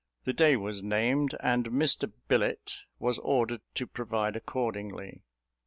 The day was named, and Mr Billett was ordered to provide accordingly.